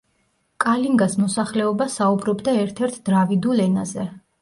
კალინგას მოსახლეობა საუბრობდა ერთ-ერთ დრავიდულ ენაზე.